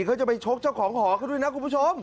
เขาจะไปชกเจ้าของหอเขาด้วยนะคุณผู้ชม